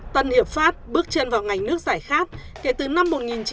tân hiệp pháp bước chân vào ngành nước giải khát kể từ năm một nghìn chín trăm bảy mươi